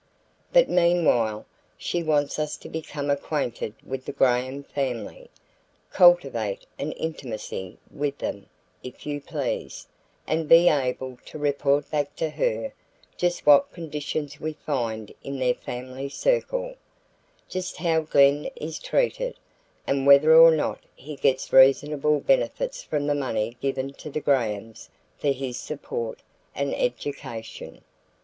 But meanwhile, she wants us to become acquainted with the Graham family, cultivate an intimacy with them, if you please, and be able to report back to her just what conditions we find in their family circle, just how Glen is treated, and whether or not he gets reasonable benefits from the money given to the Grahams for his support and education.